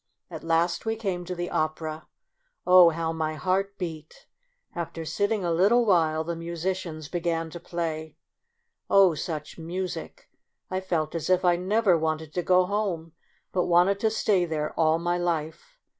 At last we came to the opera. Oh, how my heart beat ! After sitting a little while, the musicians began to play. Oh ! such music ; I felt as if I never wanted to go home, but wanted to stay there all my life.